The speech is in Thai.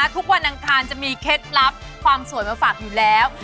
วันอังคารจะมีเคล็ดลับความสวยมาฝากอยู่แล้ว